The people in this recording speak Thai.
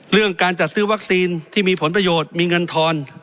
เรื่องการจัดซื้อวัคซีนที่มีผลประโยชน์มีเงินทอน